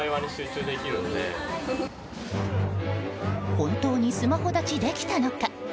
本当にスマホ断ちできたのか？